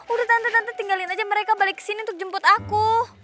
udah tante tante tinggalin aja mereka balik ke sini untuk jemput aku